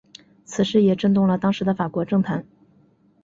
此事也震动了当时的法国政坛。